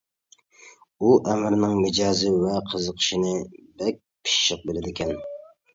ئۇ ئەمىرنىڭ مىجەزى ۋە قىزىقىشىنى بەك پىششىق بىلىدىكەن.